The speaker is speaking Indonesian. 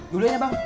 dulu aja bang